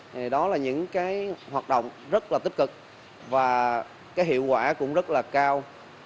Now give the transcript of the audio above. thì đó là những cái hoạt động rất là tích cực và cái hiệu quả cũng rất là cao